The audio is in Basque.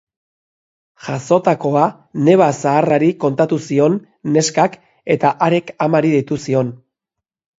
Jazotakoa neba zaharrari kontatu zion neskak eta harek amari deitu zion.